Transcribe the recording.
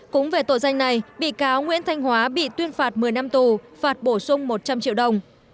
cũng về tội danh này bị cáo nguyễn thanh hóa bị tuyên phạt một mươi năm tù phạt bổ sung một trăm linh triệu đồng